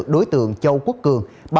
đối tượng châu quốc cường